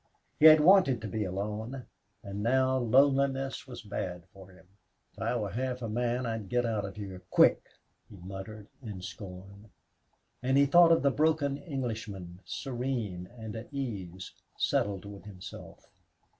He had wanted to be alone, and now loneliness was bad for him. "If I were half a man I'd get out of here, quick!" he muttered, in scorn. And he thought of the broken Englishman, serene and at ease, settled with himself.